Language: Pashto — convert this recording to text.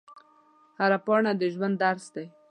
هره پاڼه د ژوند درس دی